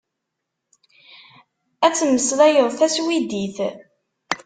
Ad temmeslayeḍ taswidit.